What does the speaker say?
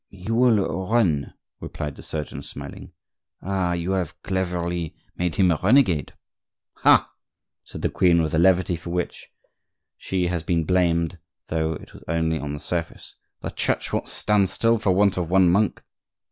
"He will run," replied the surgeon, smiling. "Ah! you have cleverly made him a renegade." "Ha!" said the queen, with the levity for which she has been blamed, though it was only on the surface, "the Church won't stand still for want of one monk!"